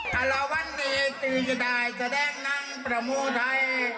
ฮาราวันนี้ตือจะได้แสดงนังประโมทัย